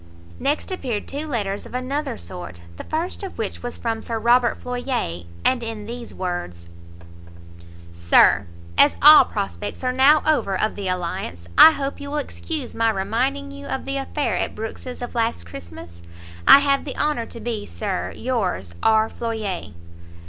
Next appeared two letters of another sort; the first of which was from Sir Robert Floyer, and in these words; Sir, As all prospects are now over of the alliance, I hope you will excuse my reminding you of the affair at Brookes's of last Christmas. I have the honour to be, Sir, yours R. FLOYER.